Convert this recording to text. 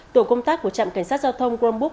tổ công tác của trạm cảnh sát giao thông grombook